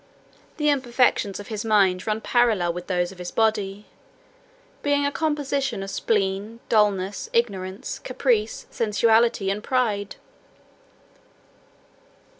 The imperfections of his mind run parallel with those of his body, being a composition of spleen, dullness, ignorance, caprice, sensuality, and pride.